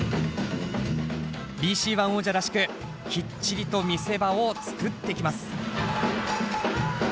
ＢＣＯｎｅ王者らしくきっちりと見せ場を作ってきます。